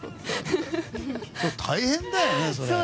大変だよね、それ。